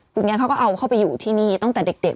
คุณแม่เขาก็เอาเข้าไปอยู่ที่นี่ตั้งแต่เด็ก